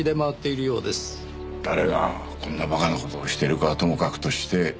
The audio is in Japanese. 誰がこんな馬鹿な事をしてるかはともかくとして。